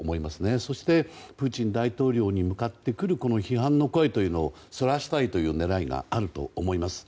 そして、プーチン大統領に向かってくる批判の声というのをそらしたいという狙いがあると思います。